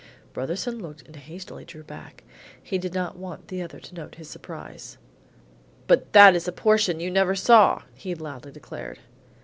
Brotherson looked and hastily drew back. He did not want the other to note his surprise. "But that is a portion you never saw," he loudly declared.